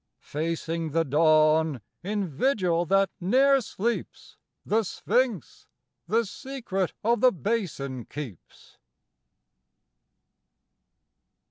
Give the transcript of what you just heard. Facing the dawn, in vigil that ne'er sleeps, The sphinx the secret of the Basin keeps.